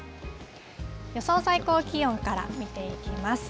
予想最高気温から見ていきます。